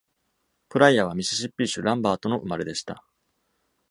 プライアはミシシッピ州ランバートの生まれでした。